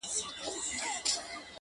قربان د ډار له کيفيته چي رسوا يې کړم.